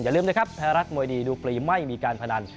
ลืมนะครับไทยรัฐมวยดีดูฟรีไม่มีการพนัน